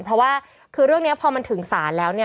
เพราะว่าคือเรื่องนี้พอมันถึงศาลแล้ว